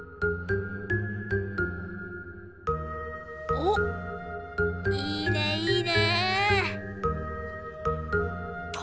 おっいいねいいね。